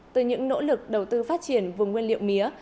từ những nỗ lực đầu tư phát triển vùng nguyên liệu mía